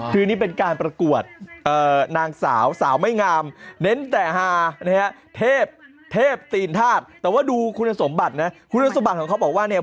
ต้องมีอายุ๑๘ปีถึง๑๒๐ปี